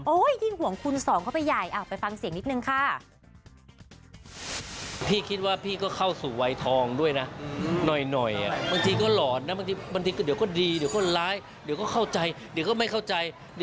โอ้ยยิ่งห่วงคุณสองเข้าไปหย่ายอ่ะไปฟังเสียงนิดนึงค่ะ